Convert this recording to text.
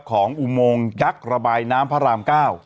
อุโมงยักษ์ระบายน้ำพระราม๙